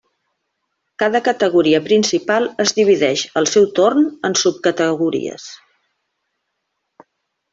Cada categoria principal es divideix, al seu torn, en subcategories.